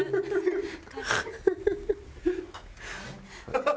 ハハハハ！